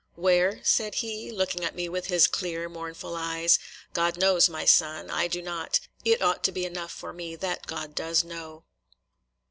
"Where?" said he, looking at me with his clear mournful eyes. "God knows, my son. I do not. It ought to be enough for me that God does know."